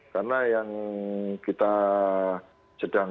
karena yang kita sedang